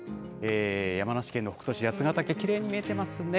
山梨県の北杜市、八ヶ岳、きれいに見えてますね。